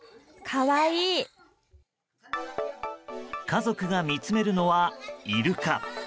家族が見つめるのはイルカ。